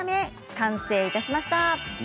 完成いたしました。